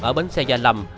ở bến xe gia lâm